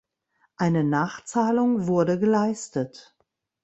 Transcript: Eine Nachzahlung wurde geleistet.